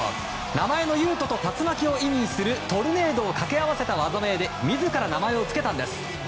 名前の雄斗と、竜巻を意味するトルネードをかけ合わせた技名で自ら名前をつけたんです。